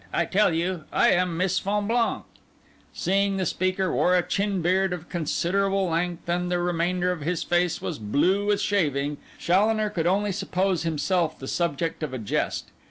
I tell you, I am Miss Fonblanque.' Seeing the speaker wore a chin beard of considerable length, and the remainder of his face was blue with shaving, Challoner could only suppose himself the subject of a jest.